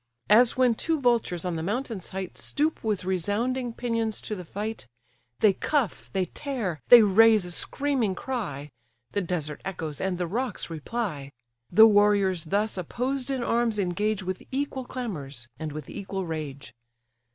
As when two vultures on the mountain's height Stoop with resounding pinions to the fight; They cuff, they tear, they raise a screaming cry; The desert echoes, and the rocks reply: The warriors thus opposed in arms, engage With equal clamours, and with equal rage.